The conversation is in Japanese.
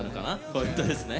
コメントですね。